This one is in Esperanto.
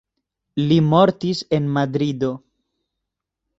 Li mortis en Madrido.